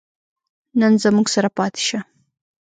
نن زموږ سره پاتې شه